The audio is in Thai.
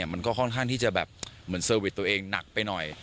มันก็ค่อนข้างที่จะแบบเหมือนเซอร์วิสตัวเองหนักไปหน่อย